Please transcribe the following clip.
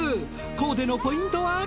コーデのポイントは？